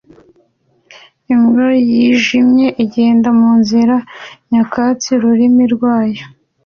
Imbwa yijimye igenda munzira nyakatsi ururimi rwayo